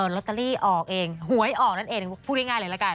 ลอตเตอรี่ออกเองหวยออกนั่นเองพูดง่ายเลยละกัน